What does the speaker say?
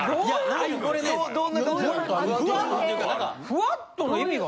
ふわっとの意味が。